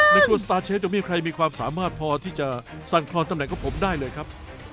กลัวสตาร์เชฟยังมีใครมีความสามารถพอที่จะสั่นคลอนตำแหนของผมได้เลยครับ